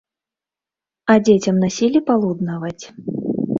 А дзецям насілі палуднаваць?